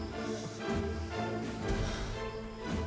aku juga nggak mau nyangka